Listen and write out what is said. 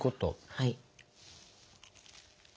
はい。